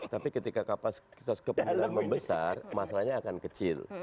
tapi ketika kapasitas kepemiluan membesar masalahnya akan kecil